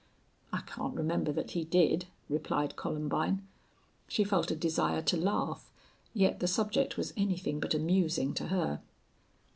"I can't remember that he did," replied Columbine. She felt a desire to laugh, yet the subject was anything but amusing to her.